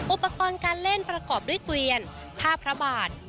อุปกรณ์การเล่นประกอบด้วยเกวียนผ้าพระบาท